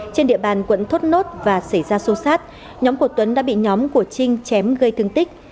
trên địa bàn quận thốt nốt và xảy ra xô xát nhóm của tuấn đã bị nhóm của trinh chém gây thương tích